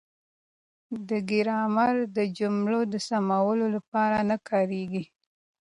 ګرامر د جملو د سموالي لپاره نه کاریږي.